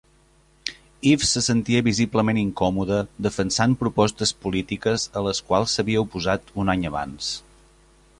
Eves se sentia visiblement incòmoda defensant propostes polítiques a les quals s'havia oposat un any abans.